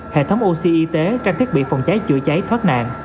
hệ thống oxy y tế trang thiết bị phòng cháy chữa cháy thoát nạn